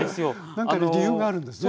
何かの理由があるんですよね？